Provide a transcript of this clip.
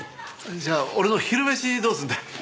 じゃあ俺の昼飯どうするんだ？